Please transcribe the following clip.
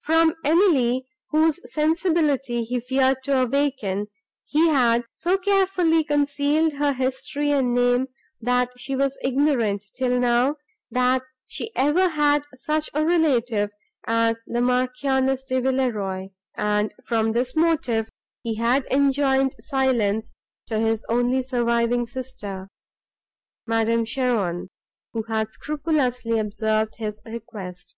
From Emily, whose sensibility he feared to awaken, he had so carefully concealed her history and name, that she was ignorant, till now, that she ever had such a relative as the Marchioness de Villeroi; and from this motive he had enjoined silence to his only surviving sister, Madame Cheron, who had scrupulously observed his request.